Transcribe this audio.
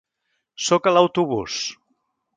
Sóc a l'autobús.